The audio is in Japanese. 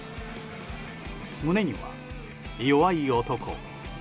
胸には「弱い男」